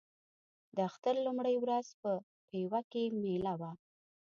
د اختر لومړۍ ورځ په پېوه کې مېله وه.